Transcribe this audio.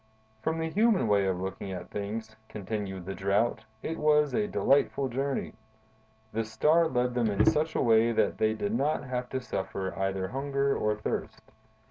"From the human way of looking at things," continued the Drought, "it was a delightful journey. The Star led them in such a way that they did not have to suffer either hunger or thirst.